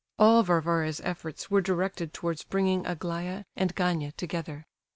All Varvara's efforts were directed towards bringing Aglaya and Gania together.